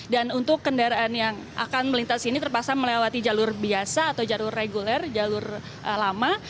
dan untuk kendaraan yang akan melintas ini terpaksa melewati jalur biasa atau jalur reguler jalur lama